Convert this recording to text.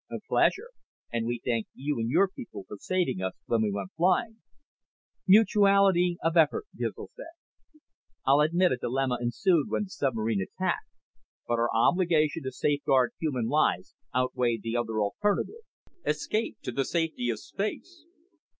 "A pleasure. And we thank you and your people for saving us when we went flying." "Mutuality of effort," Gizl said. "I'll admit a dilemma ensued when the submarine attacked. But our obligation to safeguard human lives outweighed the other alternative escape to the safety of space.